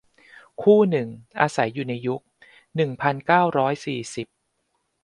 คู่หนึ่งอาศัยในยุค หนึ่งพันเก้าร้อยสี่สิบ